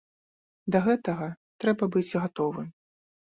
Да гэтага трэба быць гатовым.